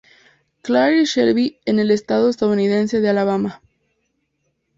Clair y Shelby en el estado estadounidense de Alabama.